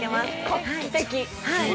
◆画期的。